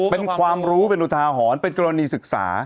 เป็นความรู้เป็นอุทาหรณ์เป็นกรณีศึกษา